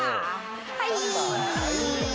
はい！